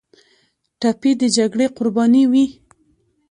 ټپي د جګړې قرباني وي.